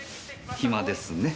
暇ですね。